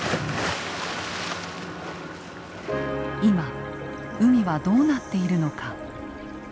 今海はどうなっているのか。